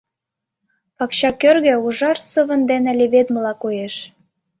Пакча кӧргӧ ужар сывын дене леведмыла коеш.